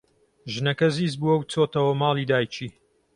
ژنەکە زیز بووە و چۆتەوە ماڵی دایکی.